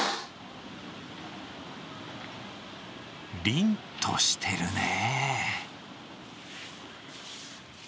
りんとしてるね。